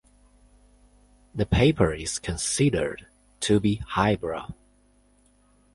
The paper is considered to be highbrow.